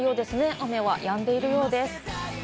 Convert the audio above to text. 雨はやんでいるようです。